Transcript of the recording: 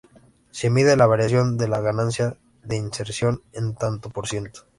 Se mide la variación de la ganancia de inserción en tanto por ciento.